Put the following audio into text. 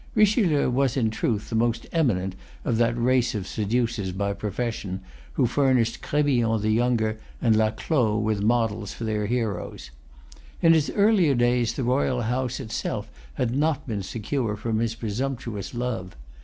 Richelieu was in truth the most eminent of that race of seducers by profession, who furnished Crébillon the younger and La Clos with models for their heroes. In his earlier days the royal house itself had not been secure from his presumptuous love.